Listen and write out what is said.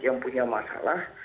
yang punya masalah